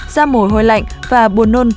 gia mồi hôi lạnh và buồn nôn